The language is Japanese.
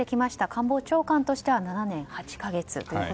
官房長官としては７年８か月。